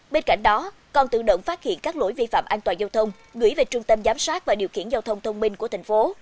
bên cạnh đó còn tự động phát hiện các lỗi vi phạm an toàn giao thông gửi về trung tâm giám sát và điều khiển giao thông thông minh của thành phố